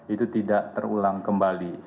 itu tidak terulang kembali